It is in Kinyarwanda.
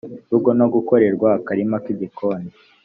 rugo no gukorerwa akarima k igikoni